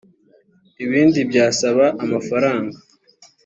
ibindi byasaba amafaranga